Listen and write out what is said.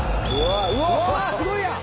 うわすごいやん！